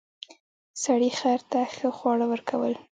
سړي خر ته ښه خواړه ورکول.